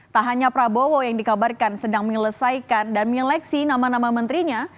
tak hanya prabowo yang dikabarkan sedang menyelesaikan dan menyeleksi nama nama menterinya